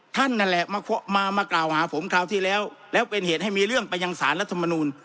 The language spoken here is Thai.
นั่นแหละมากล่าวหาผมคราวที่แล้วแล้วเป็นเหตุให้มีเรื่องไปยังสารรัฐมนูล